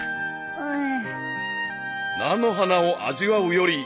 うん？